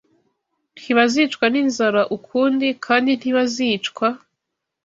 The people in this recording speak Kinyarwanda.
Ntibazicwa n’inzara ukundi, kandi ntibazicwa